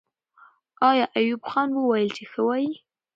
آیا ایوب خان وویل چې ښه وایي؟